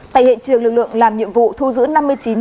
tại hiện trường lực lượng làm nhiệm vụ thu giữ năm mươi chín